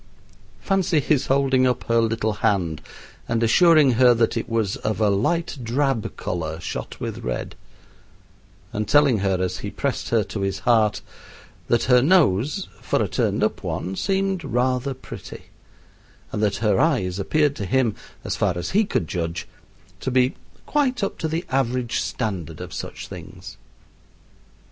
Fancy his holding up her little hand and assuring her that it was of a light drab color shot with red; and telling her as he pressed her to his heart that her nose, for a turned up one, seemed rather pretty; and that her eyes appeared to him, as far as he could judge, to be quite up to the average standard of such things!